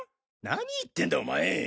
何言ってんだお前！